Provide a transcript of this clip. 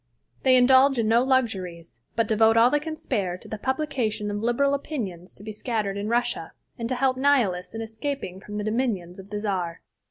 They indulge in no luxuries, but devote all they can spare to the publication of liberal opinions to be scattered in Russia, and to help Nihilists in escaping from the dominions of the Czar.